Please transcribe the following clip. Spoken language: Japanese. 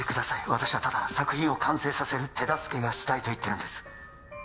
私はただ作品を完成させる手助けがしたいと言ってるんです